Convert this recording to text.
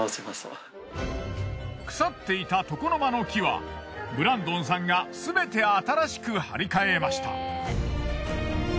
腐っていた床の間の木はブランドンさんがすべて新しく張り替えました。